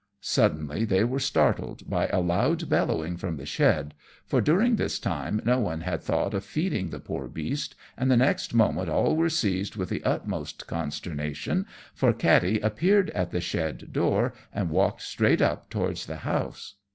Suddenly they were startled by a loud bellowing from the shed, for during this time no one had thought of feeding the poor beast, and the next moment all were seized with the utmost consternation, for Katty appeared at the shed door and walked straight up towards the house.